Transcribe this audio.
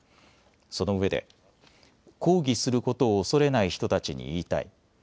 そのうえで、抗議することを恐れない人たちに言いたい。